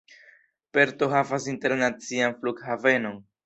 Perto havas internacian flughavenon.